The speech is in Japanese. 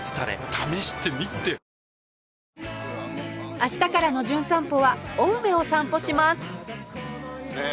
明日からの『じゅん散歩』は青梅を散歩します